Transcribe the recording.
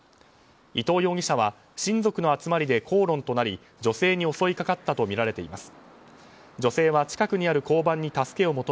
伊藤容疑者は親族の集まりで口論となり女性に襲いかかったとみられています。